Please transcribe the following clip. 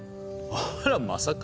あらまさか。